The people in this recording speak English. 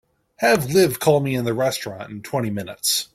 Have Liv call me in the restaurant in twenty minutes.